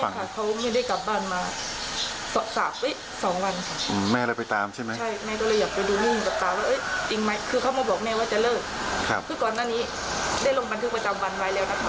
ตอนที่ทะเลาะกันเร็วก็ได้ลงบันทึกประจำไปแล้ว